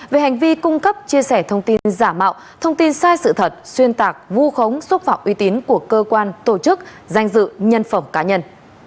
về hành vi cung cấp chia sẻ thông tin giả mạo thông tin sai sự thật xuyên tạc vu khống xúc phạm uy tín của cơ quan tổ chức danh dự nhân phẩm cá nhân